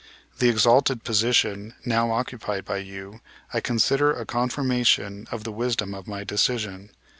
The exalted position now occupied by you I consider a confirmation of the wisdom of my decision.